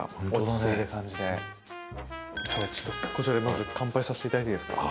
こちらでまず乾杯させていただいていいですか。